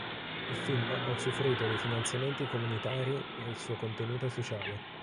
Il film ha usufruito dei finanziamenti comunitari per il suo contenuto sociale.